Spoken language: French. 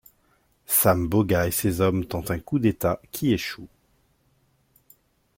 Sam Boga et ses hommes tentent un coup d’État qui échoue.